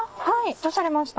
どうされました？